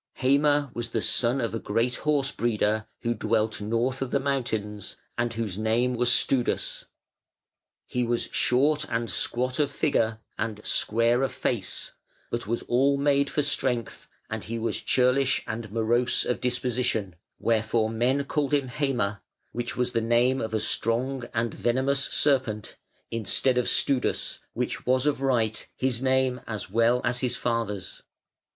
Heime was the son of a great horse breeder who dwelt north of the mountains, and whose name was Studas. He was short and squat of figure and square of face, but was all made for strength; and he was churlish and morose of disposition, wherefore men called him Heime (which was the name of a strong and venomous serpent), instead of Studas, which was of right his name as well as his father's.